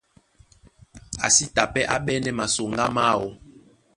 A sí ta pɛ́ á ɓɛ́nɛ́ masoŋgá máō.